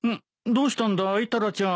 どうしたんだいタラちゃん。